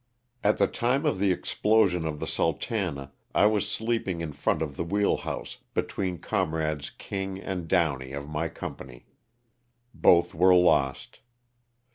At the time of the explosion of the "Sultana" I was sleeping in front of the wheel house, between Comrades King and Downey of my company. Both were lost.